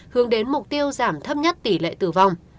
hướng đến mục tiêu giảm thấp nhất tỷ lệ tử vong